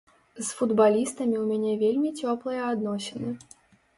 З футбалістамі ў мяне вельмі цёплыя адносіны.